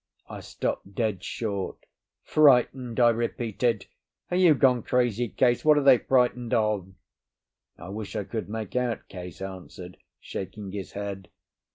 I stopped dead short. "Frightened?" I repeated. "Are you gone crazy, Case? What are they frightened of?" "I wish I could make out," Case answered, shaking his head.